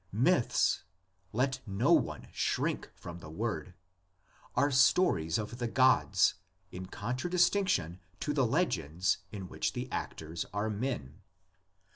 "Myths" — let no one shrink from the word — are stories of the gods, in contradistinction to the legends in which the actors are men.